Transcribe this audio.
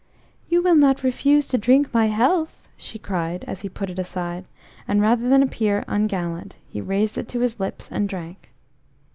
"You will not refuse to drink my health?" she cried, as he put it aside; and rather than appear ungallant, he raised it to his lips and drank.